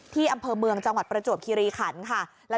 อำเภอเมืองจังหวัดประจวบคิริขันค่ะ